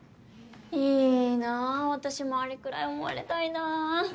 いいな私もあれくらい思われたいな。